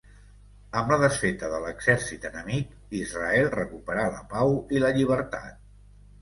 Amb la desfeta de l'exèrcit enemic, Israel recuperà la pau i la llibertat.